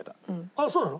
あっそうなの？